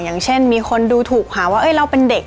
อย่างเช่นมีคนดูถูกหาว่าเราเป็นเด็ก